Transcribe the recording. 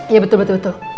iya betul betul betul